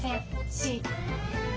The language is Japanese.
Ｃ。